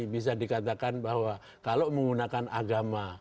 bisa dikatakan bahwa kalau menggunakan agama